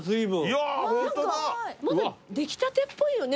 まだ出来たてっぽいよね。